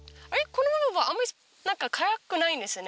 このままはあんましなんか辛くないんですね。